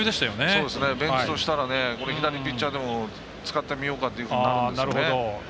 ベンチとしたら左ピッチャーでも使ってみようかっていうふうになるんですよね。